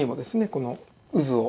この渦を。